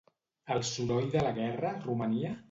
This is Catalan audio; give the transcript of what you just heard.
El soroll de la guerra romania?